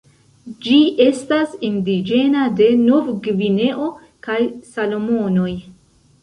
Ĝi estas indiĝena de Novgvineo kaj Salomonoj.